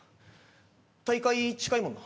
大会、近いもんな。